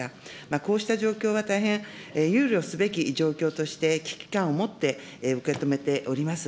こうした状況は大変憂慮すべき状況として、危機感を持って受け止めております。